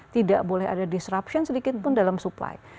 tidak boleh ada disruption sedikit pun dalam supply